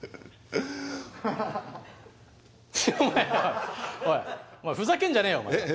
お前は。おいふざけんじゃねえよ。え？